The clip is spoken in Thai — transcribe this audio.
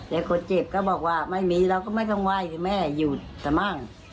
คนเจ็บก็บอกว่าไม่มีเราก็ไม่ต้องไหว้แม่หยุดสมั่ง